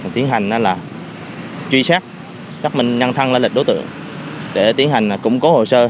tiến hành là truy xét xác minh ngăn thăng lãnh lực đối tượng để tiến hành củng cố hồ sơ